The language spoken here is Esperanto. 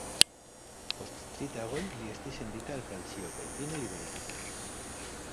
Post tri tagoj li estis sendita al Francio kaj fine liberigita.